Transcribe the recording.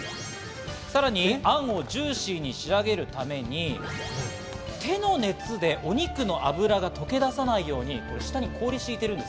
さらに、あんをジューシーに仕上げるために手の熱でお肉の脂が溶け出さないように下に氷を敷いています。